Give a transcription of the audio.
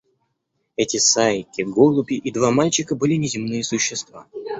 Эти сайки, голуби и два мальчика были неземные существа.